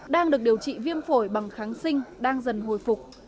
đang được điều trị viêm phổi bằng kháng sinh đang dần hồi phục